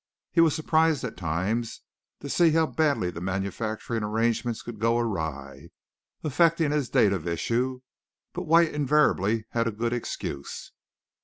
He was surprised at times to see how badly the manufacturing arrangements could go awry, affecting his dates of issue, but White invariably had a good excuse.